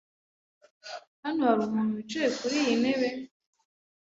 Hano hari umuntu wicaye kuriyi ntebe?